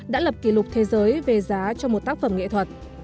đã lập kỷ lục thế giới về giá cho một tác phẩm nghệ thuật